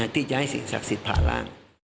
ที่จะให้สิ่งศักดิ์สิทธิ์ผ่านร่าง